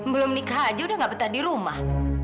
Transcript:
belum nikah aja udah gak betah di rumah